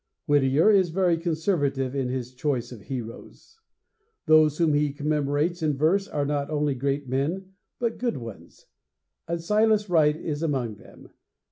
Whittier is very conservative in his choice of heroes. Those whom he commemorates in verse are not only great men, but good ones. And Silas Wright is among them.